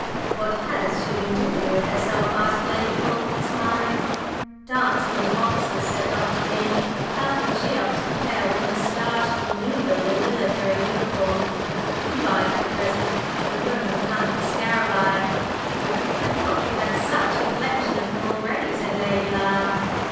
"What has she been doing with herself?" asked Lady Fulkeward, smiling. "Dancing with officers," said Dr. Dean. "How can Cheops compare with a moustached noodle in military uniform! Good bye for the present; I'm going to hunt for scarabei." "I thought you had such a collection of them already," said Lady Lyle.